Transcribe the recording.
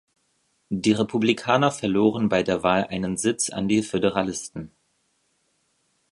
Die Republikaner verloren bei der Wahl einen Sitz an die Föderalisten.